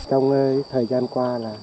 trong thời gian qua